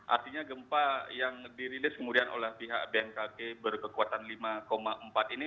artinya gempa yang dirilis kemudian oleh pihak bmkg berkekuatan lima empat ini